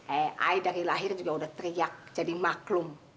eh ayah dari lahir juga udah teriak jadi maklum